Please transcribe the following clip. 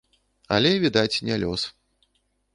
Але, відаць, не лёс.